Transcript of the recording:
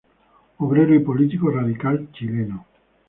Obrero y político radical chileno.